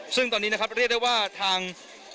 ซึ่งตอนนี้นะครับเรียกได้ว่าทาง